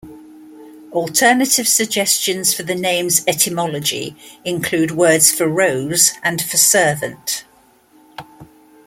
Alternative suggestions for the name's etymology include words for "rose" and for "servant".